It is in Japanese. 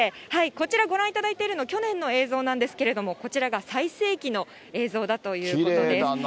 こちらご覧いただいているの、去年の映像なんですけれども、こちらが最盛期の映像だということです。